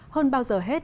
hơn bao giờ hết